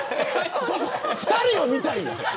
２人を見たいのよ。